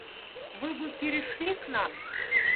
Вы бы перешли к нам.